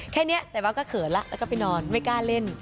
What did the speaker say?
แค่นี้แต่ว่าก็เขินแล้วแล้วก็ไปนอนไม่กล้าเล่น